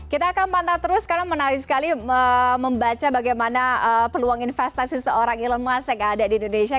kita akan pantau terus karena menarik sekali membaca bagaimana peluang investasi seorang elon musk yang ada di indonesia